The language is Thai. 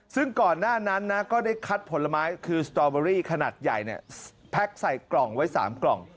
ซึ่งก่อนหน้านั้นนะก็ได้คัดผลไม้คือสตอเบอรี่ขนาดใหญ่แพ็คใส่กล่องไว้๓กล่อง